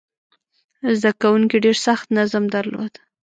زده کوونکي ډېر سخت نظم درلود.